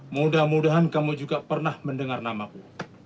mudah mudahan kamu juga pernah mendengar namaku